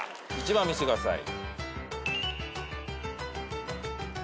１番見してください。